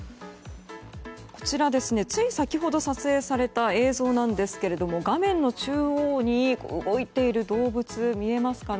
つい先ほど撮影された映像なんですけども画面の中央に動いている動物見えますかね。